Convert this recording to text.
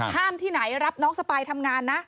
ที่ไหนรับน้องสปายทำงานนะ